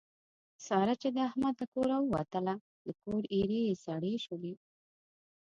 ساره چې د احمد له کوره ووتله د کور ایرې یې سړې شولې.